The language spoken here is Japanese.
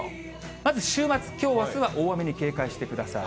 まず週末、きょう、あすは大雨に警戒してください。